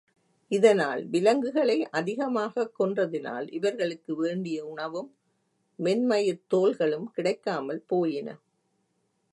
இதனால், விலங்குகளை அதிகமாகக் கொன்றதினால், இவர்களுக்கு வேண்டிய உணவும், மென்மயிர்த் தோல்களும் கிடைக்காமல் போயின.